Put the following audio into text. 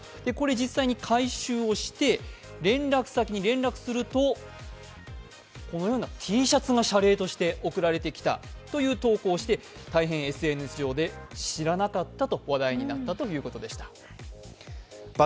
これ実際に回収して連絡先に連絡すると、このようなＴシャツが謝礼として送られてきたと投稿してＳＮＳで知らなかったと大変話題になったということでした。